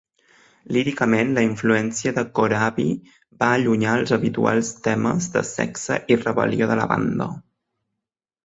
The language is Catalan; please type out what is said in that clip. Líricament, la influència de Corabi va allunyar els habituals temes de sexe i rebel·lió de la banda.